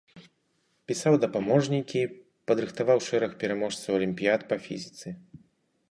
Пісаў дапаможнікі, падрыхтаваў шэраг пераможцаў алімпіяд па фізіцы.